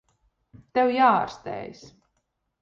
Tev jāārstējas.